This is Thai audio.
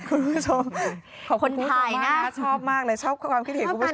คุณผู้ชมขอบคุณถ่ายนะน่าชอบมากเลยชอบความคิดเหตุคุณผู้ชม